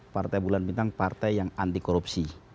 partai bulan bintang partai yang anti korupsi